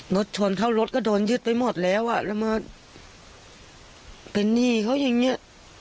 รถชนเข้ารถก็โดนยึดไปหมดแล้วอ่ะแล้วมาเป็นหนี้เขาอย่างเงี้ย